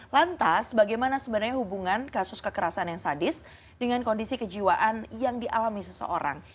lantas bagaimana sebenarnya hubungan kasus kekerasan yang sadis dengan kondisi kejiwaan yang dialami seseorang